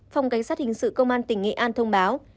phòng cảnh sát hình sự công an tỉnh nghệ an thông báo